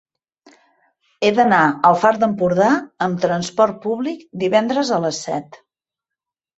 He d'anar al Far d'Empordà amb trasport públic divendres a les set.